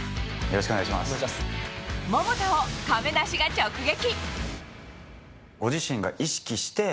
桃田を亀梨が直撃。